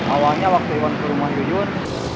awalnya waktu iwan ke rumah jujur